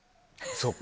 そっか。